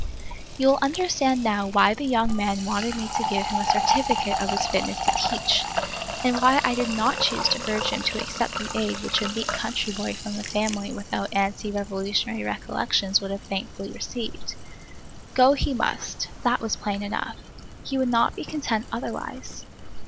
You will understand now why the young man wanted me to give him a certificate of his fitness to teach, and why I did not choose to urge him to accept the aid which a meek country boy from a family without ante Revolutionary recollections would have thankfully received. Go he must, that was plain enough. He would not be content otherwise.